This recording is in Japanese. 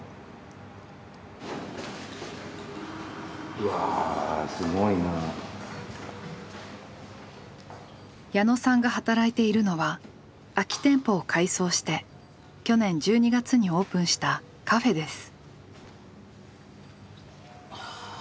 うわ矢野さんが働いているのは空き店舗を改装して去年１２月にオープンしたカフェです。